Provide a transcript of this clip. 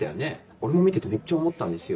俺も見ててめっちゃ思ったんですよ。